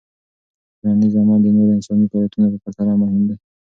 ټولنیز عمل د نورو انساني فعالیتونو په پرتله مهم دی.